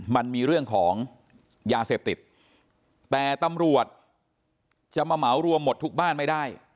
มันมีเรื่องของยาเสพติดแต่ตำรวจจะมาเหมารวมหมดทุกบ้านไม่ได้